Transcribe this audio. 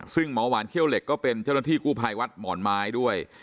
ซึ่งหมอหวานเขี้ยวเหล็กก็เป็นเจ้าหน้าที่กู้ภัยวัดหมอนไม้ด้วย